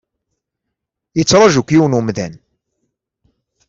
Yettṛaju-k yiwen n wemdan.